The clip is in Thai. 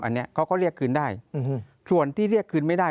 อันนี้เขาก็เรียกคืนได้ส่วนที่เรียกคืนไม่ได้